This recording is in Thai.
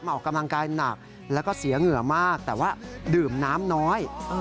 ออกกำลังกายหนักแล้วก็เสียเหงื่อมากแต่ว่าดื่มน้ำน้อย